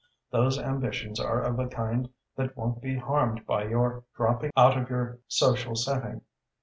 Those ambitions are of a kind that won't be harmed by your dropping out of your social setting.